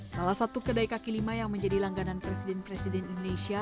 salah satu kedai kaki lima yang menjadi langganan presiden presiden indonesia